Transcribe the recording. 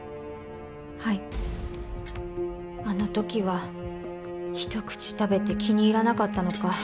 はいあのときは一口食べて気に入らなかったのか